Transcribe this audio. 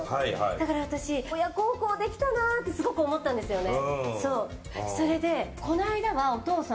だから私、親孝行できたなってすごく思ったんですよね。